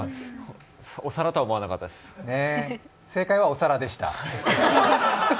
お皿とは思わなかったです。